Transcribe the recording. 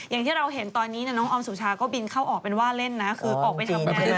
อย่างที่เราเห็นตอนนี้น้องออมสุชาก็บินเข้าออกเป็นว่าเล่นนะคือออกไปทำงาน